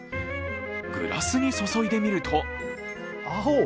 グラスに注いでみると青？